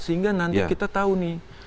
sehingga nanti kita tahu nih